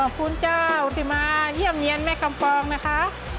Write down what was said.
ขอบคุณจ้าวที่มาเยี่ยมเงียนแม่กำปองนะคะ